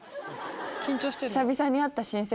緊張してる？